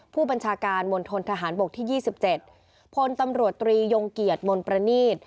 ผู้บัญชาการมณฑนทหารบกที่๒๗พลตำรวจตรียงเกียรติมนต์ประนีต